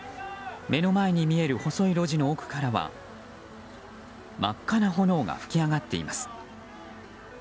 目の前に見える細い路地の奥からは真っ赤な炎が噴き上がっています。